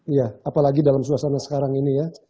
iya apalagi dalam suasana sekarang ini ya